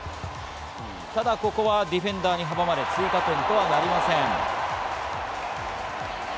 ただここはディフェンダーに阻まれ、追加点とはなりません。